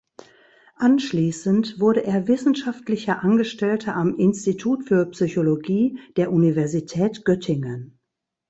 Anschließend wurde er wissenschaftlicher Angestellter am "Institut für Psychologie" der Universität Göttingen.